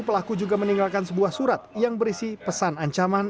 pelaku juga meninggalkan sebuah surat yang berisi pesan ancaman